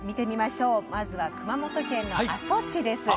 まずは熊本県の阿蘇市です。